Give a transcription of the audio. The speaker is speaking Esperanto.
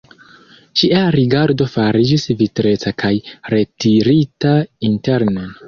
Ŝia rigardo fariĝis vitreca kaj retirita internen.